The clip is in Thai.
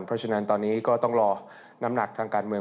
เพราะฉะนั้นตอนนี้ก็ต้องรอน้ำหนักทางการเมือง